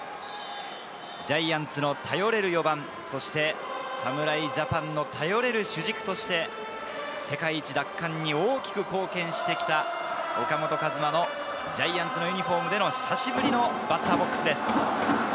ジャイアンツの頼れる４番、そして、侍ジャパンの頼れる主軸として、世界一奪回に大きく貢献してきた岡本和真のジャイアンツのユニホームでの久しぶりのバッターボックスです。